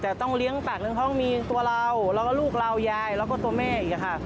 แต่ต้องเลี้ยงปากเลี้ยห้องมีตัวเราแล้วก็ลูกเรายายแล้วก็ตัวแม่อีกค่ะ